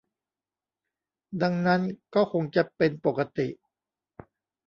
ดังนั้นก็คงจะเป็นปกติ